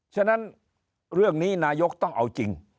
ฉะนั้นเรื่องนี้นายกต้องเอาจริง